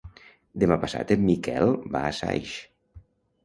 Demà passat en Miquel va a Saix.